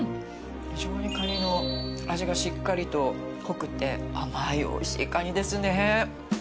非常にカニの味がしっかりと濃くて甘いおいしいカニですね。